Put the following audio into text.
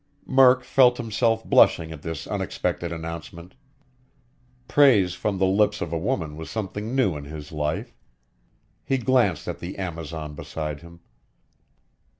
Murk felt himself blushing at this unexpected announcement. Praise from the lips of a woman was something new in his life. He glanced at the amazon beside him.